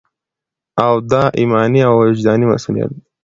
او دا ایماني او وجداني مسؤلیت